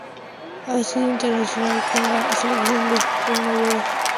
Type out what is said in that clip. Ha sido internacional con la selección de fútbol de Noruega.